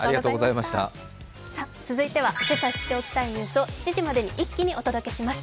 続いては今朝知っておきたいニュースを７時までに一気にお届けします。